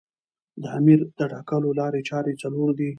د امیر د ټاکلو لاري چاري څلور دي.